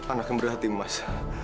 anak yang berhati hati mas